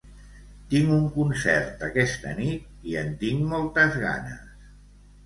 Tinc un concert aquesta nit i en tinc moltes ganes.